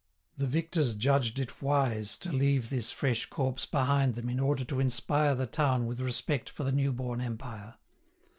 The victors judged it wise to leave this fresh corpse behind them in order to inspire the town with respect for the new born Empire.